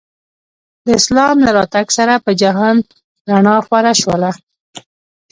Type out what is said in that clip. د اسلام له راتګ سره په جهان رڼا خوره شوله.